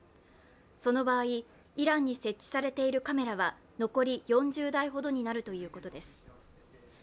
その場合、イランに設置されているカメラは残り４０台ほどになるということです。